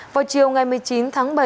vào chiều một mươi chín tháng sáu